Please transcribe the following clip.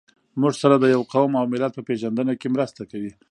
موږ سره د يوه قوم او ملت په پېژنده کې مرسته کوي.